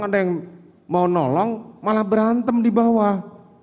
ada yang mau nolong malah berantem di bawah